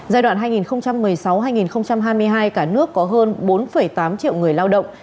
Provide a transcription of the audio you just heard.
giai đoạn hai nghìn một mươi sáu hai nghìn hai mươi hai cả nước có hơn bốn tám triệu người lao động